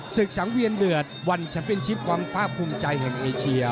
สังเวียนเดือดวันแชมเป็นชิปความภาคภูมิใจแห่งเอเชีย